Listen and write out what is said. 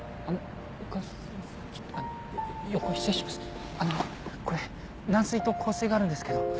あのこれ軟水と硬水があるんですけど。